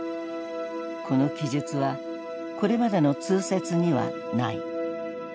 この記述はこれまでの通説にはない。